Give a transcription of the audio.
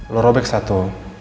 lo robek satu